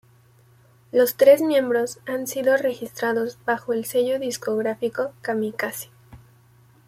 Los tres miembros han sido registrados bajo el sello discográfico Kamikaze.